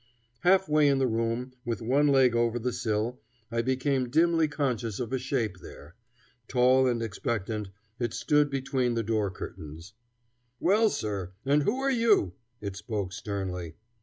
Halfway in the room, with one leg over the sill, I became dimly conscious of a shape there. Tall and expectant, it stood between the door curtains. "Well, sir! and who are you?" it spoke sternly.